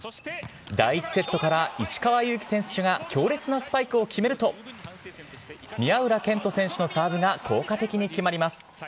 第１セットから石川祐希選手が強烈なスパイクを決めると、宮浦健人選手のサーブが効果的に決まります。